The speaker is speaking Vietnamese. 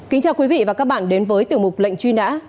kính chào quý vị và các bạn đến với tiểu mục lệnh truy nã